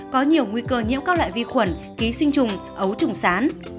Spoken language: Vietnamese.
có nhiều nguy cơ nhiễm các loại vi khuẩn ký sinh trùng ấu trùng sán